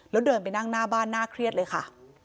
แล้วเดินไปนั่งหน้าบ้านน่าเครียดเลยค่ะ